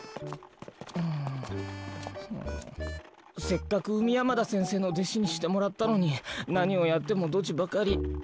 せっかく海山田せんせいのでしにしてもらったのになにをやってもドジばかり。